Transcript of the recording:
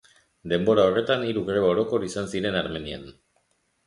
Denbora horretan hiru greba orokor izan ziren Armenian.